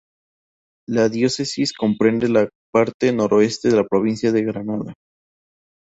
La diócesis comprende la parte noreste de la provincia de Granada.